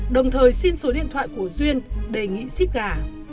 đồng thời xin số điện thoại của duyên đề nghị ship gà